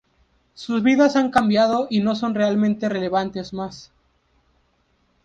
Sus vidas han cambiado y no son realmente relevantes más.